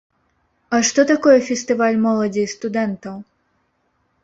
А што такое фестываль моладзі і студэнтаў?